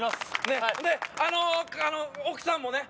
ほんで、奥さんもね。